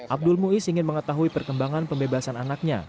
abdul muiz ingin mengetahui perkembangan pembebasan anaknya